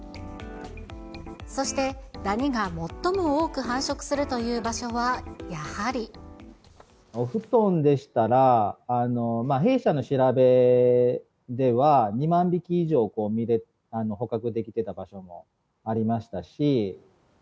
そして、ダニが最も多く繁殖するお布団でしたら、弊社の調べでは２万匹以上捕獲できてた場所もありましたし。